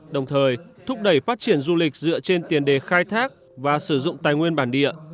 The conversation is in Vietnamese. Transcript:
đồng thời thúc đẩy phát triển du lịch dựa trên tiền đề khai thác và sử dụng tài nguyên bản địa